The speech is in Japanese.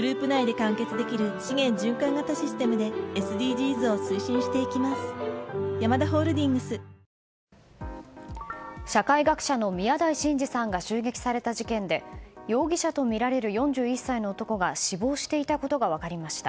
日本を揺るがす連続強盗事件への関与が疑われる社会学者の宮台真司さんが襲撃された事件で容疑者とみられる４１歳の男が死亡していたことが分かりました。